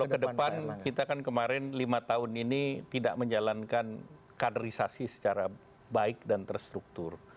kalau ke depan kita kan kemarin lima tahun ini tidak menjalankan kaderisasi secara baik dan terstruktur